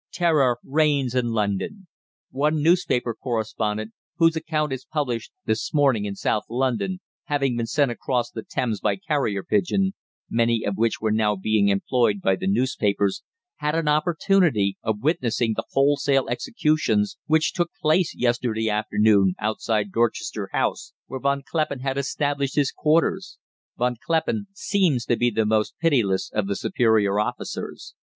Terror reigns in London. One newspaper correspondent whose account is published this morning in South London, having been sent across the Thames by carrier pigeon, many of which were now being employed by the newspapers had an opportunity of witnessing the wholesale executions which took place yesterday afternoon outside Dorchester House, where Von Kleppen has established his quarters. Von Kleppen seems to be the most pitiless of the superior officers.